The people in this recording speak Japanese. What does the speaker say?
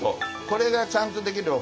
これがちゃんとできれば。